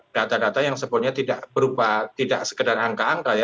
data data yang sebenarnya tidak berupa tidak sekedar angka angka ya